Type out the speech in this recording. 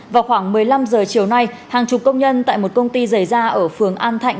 vào khoảng một mươi năm giờ chiều nay hàng chục công nhân tại một công ty dày ra ở phường an thạnh